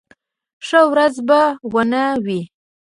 ښه ورځ به و نه وي.